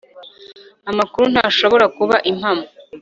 amakuru ntashobora kuba impamo